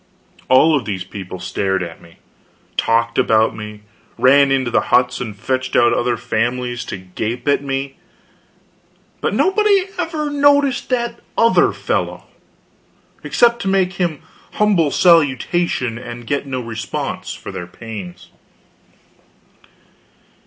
All of these people stared at me, talked about me, ran into the huts and fetched out their families to gape at me; but nobody ever noticed that other fellow, except to make him humble salutation and get no response for their pains.